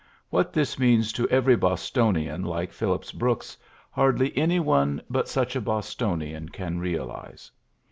What this means to every Bostonian like Phillips Brooks, hardly any one but such a Bostonian can realize.